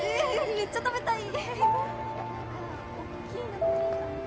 めっちゃ食べたい！